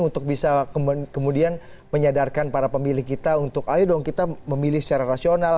untuk bisa kemudian menyadarkan para pemilih kita untuk ayo dong kita memilih secara rasional